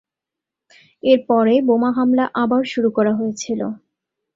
এরপরে বোমা হামলা আবার শুরু করা হয়েছিল।